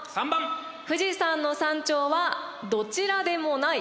富士山の山頂はどちらでもない。